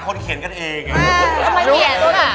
ใช่มันเขียนเหมือนเป็นไข้อะไรก็ไม่รู้อ่ะ